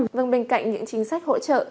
thứ ba là những chính sách hỗ trợ